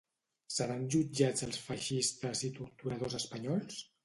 Seran jutjats els feixistes i torturadors espanyols?